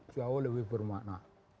jauh lebih bermakna